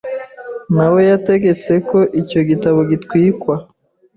nawe yategetse ko icyo gitabo gitwikwa